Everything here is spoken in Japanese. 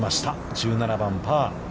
１７番、パー。